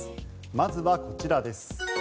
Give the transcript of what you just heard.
まずはこちらです。